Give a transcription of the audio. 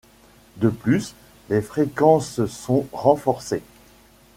De plus, les fréquences sont renforcées.